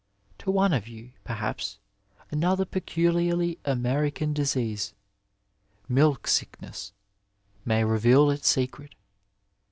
To one of you, perhaps, another peculiarly American disease — ^milk sickness — ^may reveal its secret.